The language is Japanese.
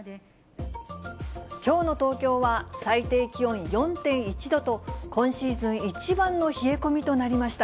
きょうの東京は最低気温４．１度と、今シーズン一番の冷え込みとなりました。